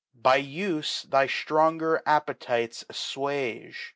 By ufe thy ftronger Appetites afluage.